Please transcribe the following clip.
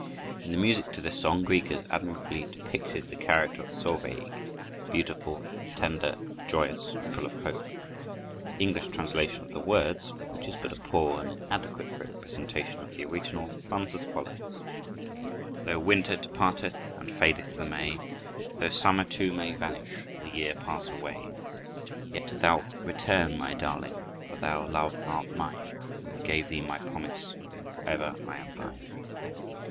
In the music to this song Grieg has admirably depicted the character of Solveig: beautiful, tender, joyous, and full of hope. The English translation of the words, which is but a poor and inadequate representation of the original, runs as follows: "Though winter departeth, And fadeth the May; Though summer, too, may vanish, The year pass away; Yet thou'lt return, my darling, For thou, love, art mine. I gave thee my promise, Forever I am thine.